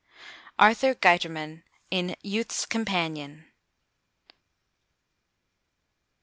Arthur Guiterman, in Youth's Companion.